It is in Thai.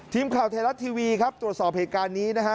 ทีมข่าวไทยรัฐทีวีครับตรวจสอบเหตุการณ์นี้นะฮะ